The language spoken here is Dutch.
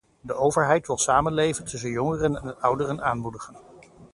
De overheid wil samenleven tussen jongeren en ouderen aanmoedigen.